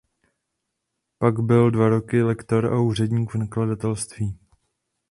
Pak byl dva roky lektor a úředník v nakladatelství.